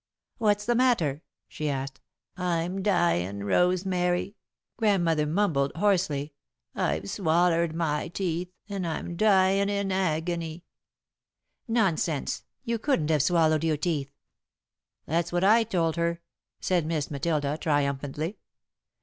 "What's the matter?" she asked. "I'm dyin', Rosemary," Grandmother mumbled, hoarsely. "I've swallered my teeth, and I am dyin' in agony." "Nonsense! You couldn't have swallowed your teeth!" "That's what I told her," said Miss Matilda, triumphantly.